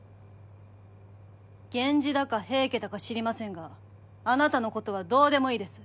ゲンジだかヘイケだか知りませんがあなたのことはどうでもいいです